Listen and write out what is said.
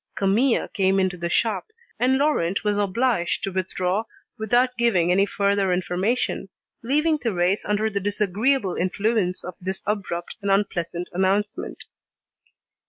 Camille came into the shop, and Laurent was obliged to withdraw without giving any further information, leaving Thérèse under the disagreeable influence of this abrupt and unpleasant announcement.